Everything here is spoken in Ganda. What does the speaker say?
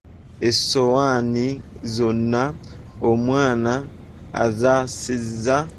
Essowaani zonna omwana azaasizza.